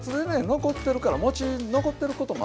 残ってるから餅残ってることもあるでしょ。